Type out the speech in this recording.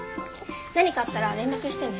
何かあったら連絡してね。